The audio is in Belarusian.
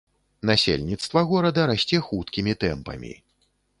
Насельніцтва горада расце хуткімі тэмпамі.